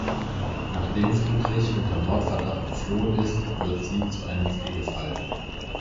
Nachdem Friedrich unter Mordverdacht geflohen ist, wird sie zu einem Pflegefall.